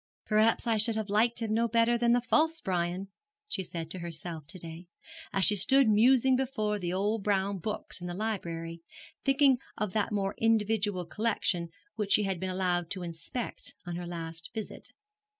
'Perhaps I should have liked him no better than the false Brian,' she said to herself to day, as she stood musing before the old brown books in the library, thinking of that more individual collection which she had been allowed to inspect on her last visit.